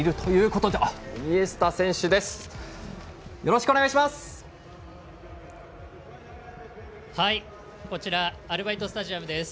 こちらアルバイトスタジアムです。